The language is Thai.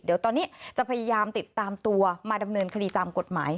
เดี๋ยวตอนนี้จะพยายามติดตามตัวมาดำเนินคดีตามกฎหมาย